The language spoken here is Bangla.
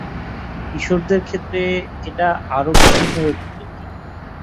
কিশোরদের ক্ষেত্রে এটা আরও বিশেষভাবে প্রযোজ্য।